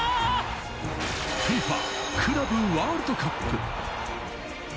ＦＩＦＡクラブワールドカップ。